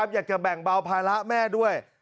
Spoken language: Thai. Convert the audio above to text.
อยากจะแบ่งเบาภาระแม่ด้วย